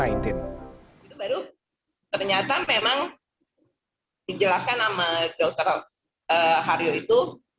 itu baru ternyata memang dijelaskan sama dokter haryo itu